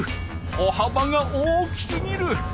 歩はばが大きすぎる。